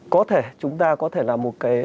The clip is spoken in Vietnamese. có thể chúng ta có thể là một cái